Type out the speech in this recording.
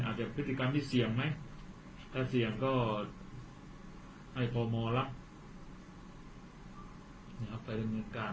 อาจจะพฤติกรรมที่เสี่ยงไหมถ้าเสี่ยงก็ให้พมรับนะครับไปด้วยกัน